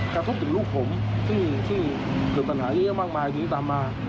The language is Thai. กระทบถึงลูกผมที่เกิดปัญหาเยอะมากมายที่ตามมา